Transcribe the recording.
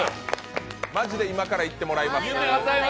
マジで今、行ってもらいます。